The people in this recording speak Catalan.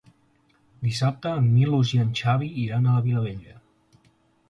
Dissabte en Milos i en Xavi iran a la Vilavella.